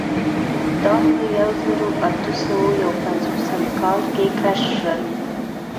دا په یوه زرو اتو سوو یو پنځوسم کال کې کشف شول.